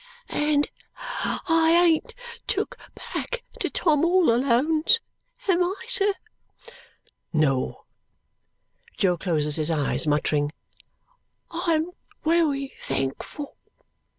"And I ain't took back to Tom all Alone's. Am I, sir?" "No." Jo closes his eyes, muttering, "I'm wery thankful."